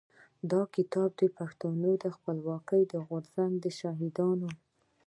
دا کتاب د پښتنو د خپلواکۍ د غورځنګ د شهيدانو.